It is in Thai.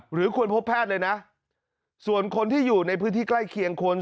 หรือควรพบแพทย์เลยนะส่วนคนที่อยู่ในพื้นที่ใกล้เคียงควร